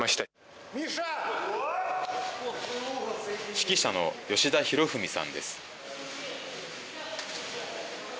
指揮者の吉田裕史さんです。